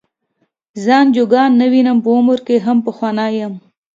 ځان جوګه نه وینم په عمر کې هم پخوانی یم.